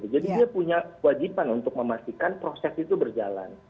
jadi dia punya wajiban untuk memastikan proses itu berjalan